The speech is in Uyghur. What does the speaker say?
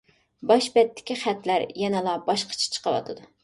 باش بەتتىكى خەتلەر يەنىلا باشقىچە چىقىۋاتىدۇ.